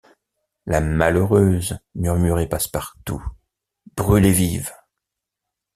La malheureuse! murmurait Passepartout, brûlée vive !